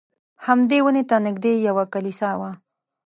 همدې ونې ته نږدې یوه کلیسا وه.